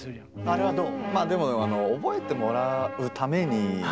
あれはどう？